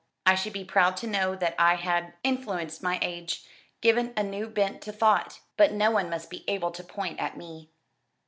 I should be proud to know that I had influenced my age given a new bent to thought but no one must be able to point at me."